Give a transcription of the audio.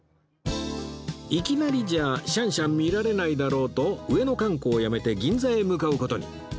いきなりじゃシャンシャン見られないだろうと上野観光をやめて銀座へ向かう事に